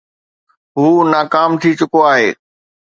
هو ناڪام ٿي چڪو آهي.